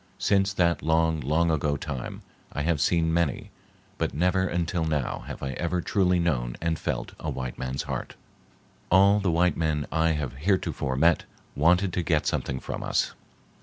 Since that long, long ago time I have seen many, but never until now have I ever truly known and felt a white man's heart. All the white men I have heretofore met wanted to get something from us.